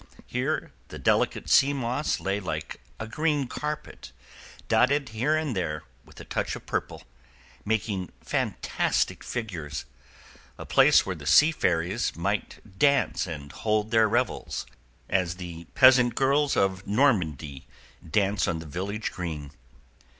Here the delicate sea moss lay like a green carpet, dotted here and there with a touch of purple, making fantastic figures; a place where the sea fairies might dance and hold their revels, as the peasant girls of Normandy dance on the village green.